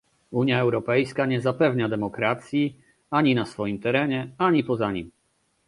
Unia Europejska nie zapewnia demokracji, ani na swoim terenie, ani poza nim